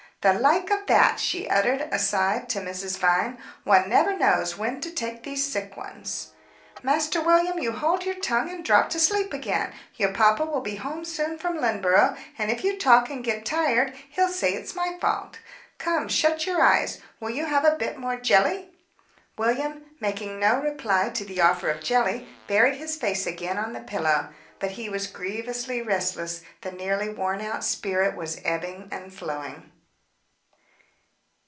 "The like of that!" she uttered, aside to Mrs. Vine. "One never knows when to take these sick ones. Master William, you hold your tongue and drop to sleep again. Your papa will be home soon from Lynneborough; and if you talk and get tired, he'll say it's my fault. Come shut your eyes. Will you have a bit more jelly?" William, making no reply to the offer of jelly, buried his face again on the pillow. But he was grievously restless; the nearly worn out spirit was ebbing and flowing.